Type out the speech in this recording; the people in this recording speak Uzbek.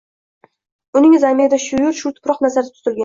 Uning zamirida shu yurt, shu tuproq nazarda tutilgan.